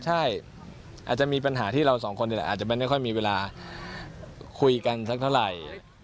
ใช่อาจจะมีปัญหาที่เราสองคนอาจจะไม่ค่อยมีเวลาคุยกันสักเท่าไหร่